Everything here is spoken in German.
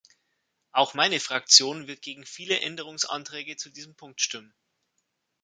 Auch meine Fraktion wird gegen viele Änderungsanträge zu diesem Punkt stimmen.